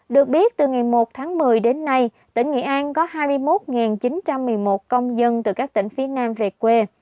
được biết từ ngày một tháng một mươi đến nay tỉnh nghệ an có hai mươi một chín trăm một mươi một công dân từ các tỉnh phía nam về quê